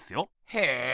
へえ